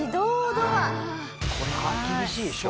これは厳しいでしょ？